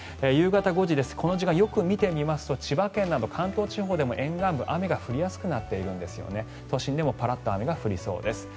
夕方５時この時間をよく見てみますと千葉県など関東地方で沿岸部で雨が降りやすくなっているんです都心でもパラッと雨が降りそうです。